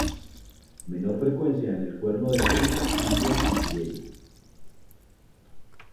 Menor frecuencia en el Cuerno de África, India y Siberia.